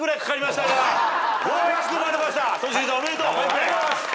ありがとうございます。